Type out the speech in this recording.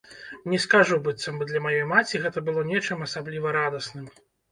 Не скажу, быццам бы для маёй маці гэта было нечым асабліва радасным.